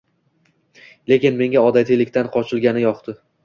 Lekin menga odatiylikdan qochilgani yoqdi